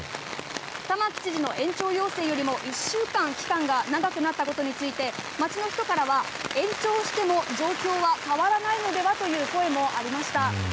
玉城知事の延長要請よりも１週間期間が長くなったことについて街の人からは延長しても状況は変わらないのではという声もありました。